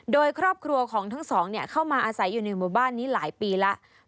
โดยครอบครัวของทั้งสองเข้ามาอาศัยอยู่ในหมู่บ้านนี้หลายปีแล้ว